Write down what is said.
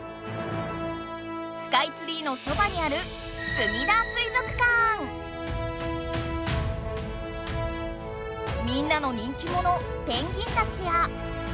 スカイツリーのそばにあるみんなの人気ものペンギンたちや。